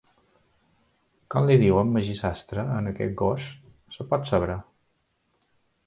¿Com li diuen, Magí sastre, a aquest gos, es pot saber?